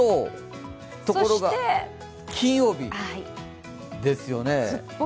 ところが金曜日ですよね。